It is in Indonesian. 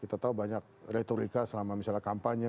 kita tahu banyak retorika selama misalnya kampanye